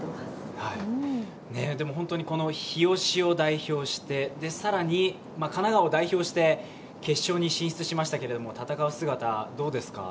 日吉を代表して、更に神奈川を代表して決勝に進出しましたけど、戦う姿、どうですか？